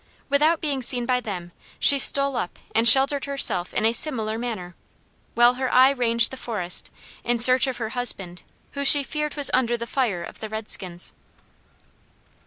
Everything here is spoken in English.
Without being seen by them she stole up and sheltered herself in a similar manner, while her eye ranged the forest in search of her husband who she feared was under the fire of the red skins.